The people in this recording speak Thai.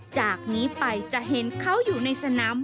จากนี้ไปจะเห็นเขาอยู่ในสนาม